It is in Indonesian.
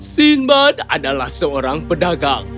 sinbad adalah seorang pedagang